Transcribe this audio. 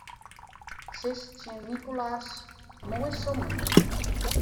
Sis tsjin Nicolas: Moai songen.